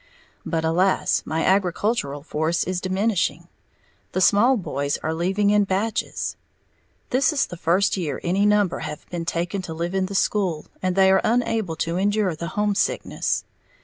But alas, my agricultural force is diminishing, the small boys are leaving in batches. This is the first year any number have been taken to live in the school, and they are unable to endure the homesickness.